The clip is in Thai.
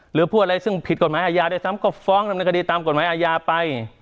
หรือพูดอะไรซึ่งผิดกฎหมายอาญาด้วยซ้ำก็ฟ้องดำเนินคดีตามกฎหมายอาญาไป